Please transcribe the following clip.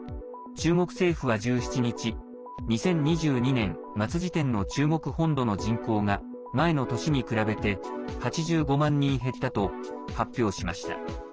中国政府は１７日２０２２年末時点の中国本土の人口が前の年に比べて８５万人減ったと発表しました。